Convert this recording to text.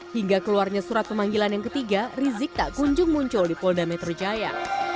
hingga keluarnya surat pemanggilan yang ketiga rizik tak kunjung muncul di polda metro jaya